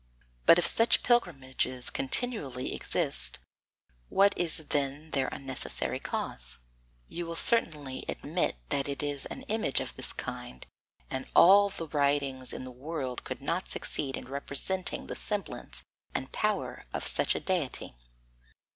But if such pilgrimages continually exist, what is then their unnecessary cause? You will certainly admit that it is an image of this kind, and all the writings in the world could not succeed in representing the semblance and the power of such a deity.